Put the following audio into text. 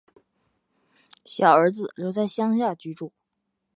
小儿子留在乡下居住